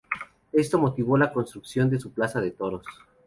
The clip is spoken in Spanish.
Esto motivó la construcción de su plaza de toros.